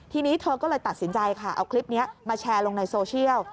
ทีนี้เธอก็เลยตัดสินใจค่ะเอาคลิปนี้มาแชร์ลงในโซเชียล